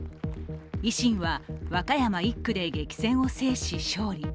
維新は和歌山１区で激戦を制し、勝利。